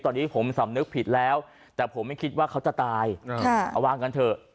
ตอนนี้ผมสำนึกผิดแล้วแต่ผมไม่คิดว่าเขาจะตายเอาวางกันเถอะ